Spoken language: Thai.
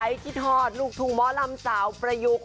คิดฮอดลูกทุ่งหมอลำสาวประยุกต์